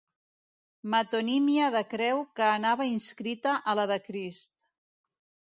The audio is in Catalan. Metonímia de creu que anava inscrita a la de Crist.